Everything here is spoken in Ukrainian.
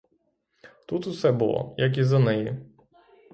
Тут усе було, як і за неї.